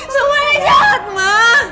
semuanya jahat ma